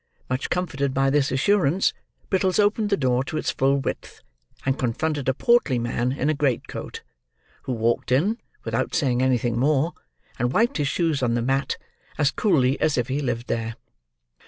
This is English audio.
Much comforted by this assurance, Brittles opened the door to its full width, and confronted a portly man in a great coat; who walked in, without saying anything more, and wiped his shoes on the mat, as coolly as if he lived there.